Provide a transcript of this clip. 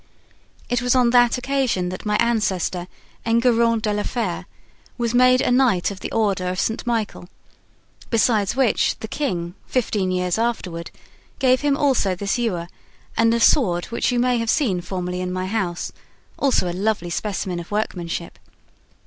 It was on that occasion that my ancestor, Enguerrand de la Fere, was made a knight of the Order of St. Michael; besides which, the king, fifteen years afterward, gave him also this ewer and a sword which you may have seen formerly in my house, also a lovely specimen of workmanship.